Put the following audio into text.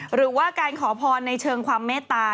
หรือว่าการขอพรในเชิงความเมตตา